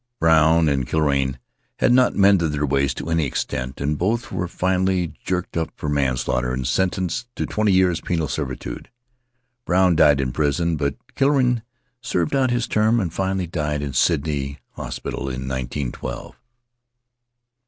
Brown and Killorain had not mended their ways to any extent, and both were finally jerked up for manslaughter and sentenced to twenty years' penal servitude. Brown died in prison, but Killorain served out his term, and finally died in Sydney hospital in nineteen twelve.